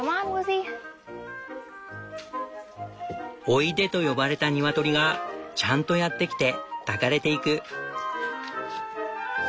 「おいで」と呼ばれたニワトリがちゃんとやって来て抱かれていく。